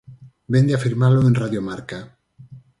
Vén de afirmalo en Radio Marca.